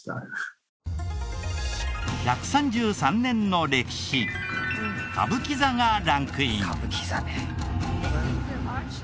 １３３年の歴史歌舞伎座がランクイン。